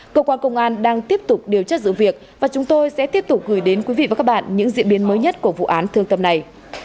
cơ quan công an đang tiếp tục điều tra dự việc và chúng tôi sẽ tiếp tục gửi đến quý vị và các bạn những diễn biến mới nhất của vụ án thương tâm này